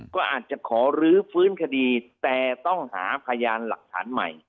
ก็อาจจะขอรื้อฟื้นคดีแต่ต้องหาพยานหลักฐานใหม่